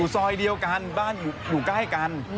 ซอยเดียวกันบ้านอยู่ใกล้กัน